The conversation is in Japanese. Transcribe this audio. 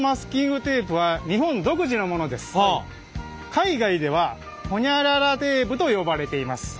海外ではホニャララテープと呼ばれています。